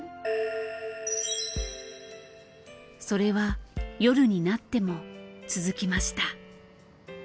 それは夜になっても続きました。